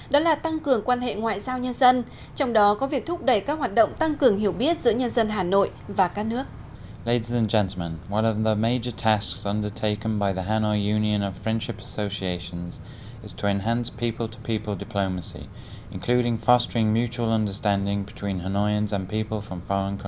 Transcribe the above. đó là tăng cường quan hệ ngoại giao nhân dân trong đó có việc thúc đẩy các hoạt động tăng cường hiểu biết giữa nhân dân hà nội và các nước